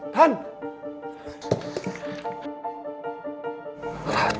apa yang udah kamu lakukan tanti